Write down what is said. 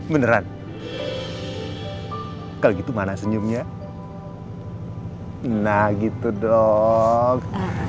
beneran kalau gitu mana senyumnya nah gitu dok